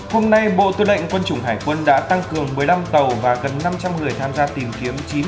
hôm nay bộ tư lệnh quân chủng hải quân đã tăng cường một mươi năm tàu và gần năm trăm linh người tham gia tìm kiếm